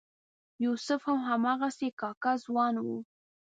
یوسف هم هماغسې کاکه ځوان و.